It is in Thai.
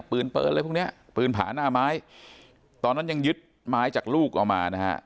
ปืนเปิดอะไรพวกเนี้ยปืนผาหน้าไม้ตอนนั้นยังยึดไม้จากลูกเอามานะฮะ